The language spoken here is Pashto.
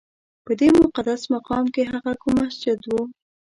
په دې مقدس مقام کې هغه کوم مسجد و؟